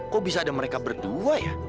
kok bisa ada mereka berdua ya